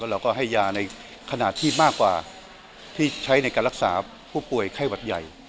เราก็ให้ยาในขณะที่มากกว่าที่ใช้ในการรักษาผู้ป่วยไข้หวัดใหญ่